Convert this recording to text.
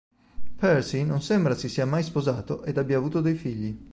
Percy non sembra si sia mai sposato ed abbia avuto dei figli.